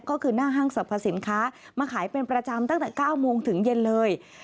ก็คือหน้าห้างสรรพสินค้ามาขายเป็นประจำตั้งแต่๙โมงถึงเย็นเลย